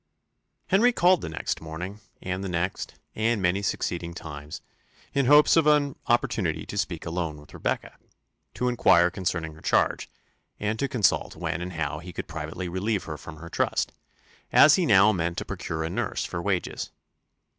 Henry called the next morning, and the next, and many succeeding times, in hopes of an opportunity to speak alone with Rebecca, to inquire concerning her charge, and consult when and how he could privately relieve her from her trust; as he now meant to procure a nurse for wages.